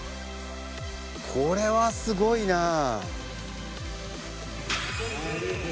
これはすごいなあ。